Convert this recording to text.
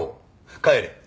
帰れ。